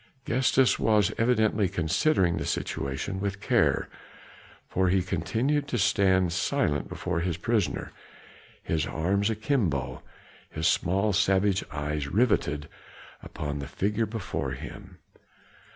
Gestas was evidently considering the situation with care, for he continued to stand silent before his prisoner, his arms akimbo, his small savage eyes riveted upon the figure before him.